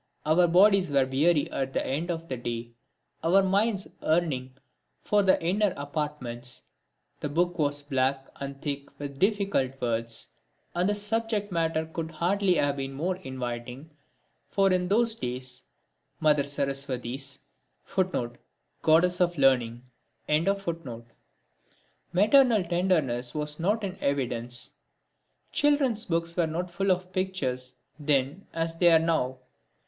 Our bodies were weary at the end of the day, our minds yearning for the inner apartments, the book was black and thick with difficult words, and the subject matter could hardly have been more inviting, for in those days, Mother Saraswati's maternal tenderness was not in evidence. Children's books were not full of pictures then as they are now.